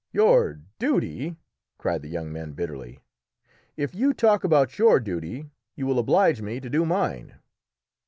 "Your duty!" cried the young man bitterly. "If you talk about your duty you will oblige me to do mine!"